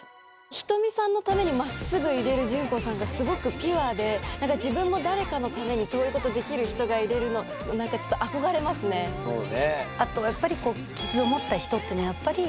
ひとみさんのためにまっすぐいれる淳子さんがすごくピュアでなんか自分も誰かのためにそういうことできる人がいれるのなんかちょっとそれほんま